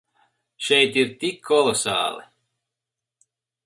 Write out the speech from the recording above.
Šeit ir tik kolosāli.